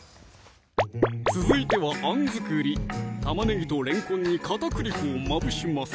続いてはあん作り玉ねぎとれんこんに片栗粉をまぶします